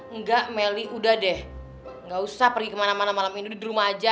engga meli udah deh ga usah pergi kemana mana malam ini duduk di rumah aja